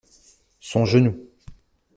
Son genou.